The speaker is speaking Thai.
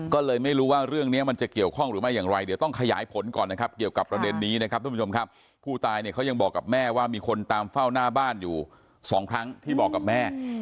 แค่ว่ามีคนตามเฝ้าหน้าบ้านอยู่๒ครั้งที่บอกกับแม่